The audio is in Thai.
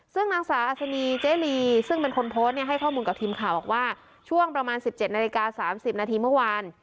ซึ่งนางสาวอัศนีเจ๊ลีซึ่งเป็นคนโพสต์เนี่ยให้ข้อมูลกับทีมข่าวว่าช่วงประมาณสิบเจ็ดนาฬิกาสามสิบนาทีเมื่อวาน